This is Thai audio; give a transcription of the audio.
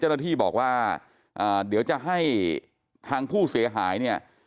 เจ้าหน้าที่บอกว่าอ่าเดี๋ยวจะให้ทางผู้เสียหายเนี่ย